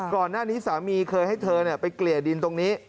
ก่อนหน้านี้สามีเคยให้เธอไปเกลี่ยดินตรงนี้